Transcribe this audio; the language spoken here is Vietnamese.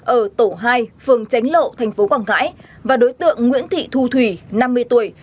ở tổ hai phường tránh lộ tp quảng ngãi và đối tượng nguyễn thị thu thủy năm mươi tuổi